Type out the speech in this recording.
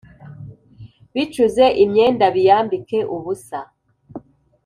Bicuze imyenda biyambike ubusa